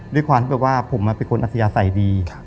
ด้วยความที่ว่าผมเป็นคนอาเซียใส่ดี